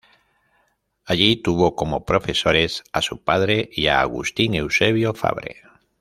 Allí tuvo como profesores a su padre y a Agustín Eusebio Fabre.